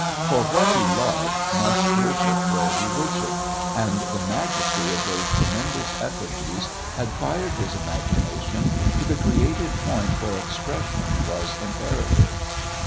For what he loved must worship where he worshipped, and the majesty of those tremendous effigies had fired his imagination to the creative point where expression was imperative.